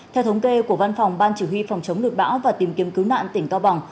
theo thống kê của văn phòng ban chỉ huy phòng chống lụt bão và tìm kiếm cứu nạn tỉnh cao bằng